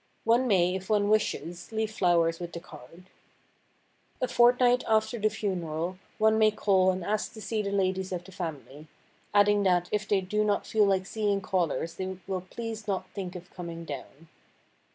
One may, if one wishes, leave flowers with the card. A fortnight after the funeral one may call and ask to see the ladies of the family, adding that if they do not feel like seeing callers they will please not think of coming down.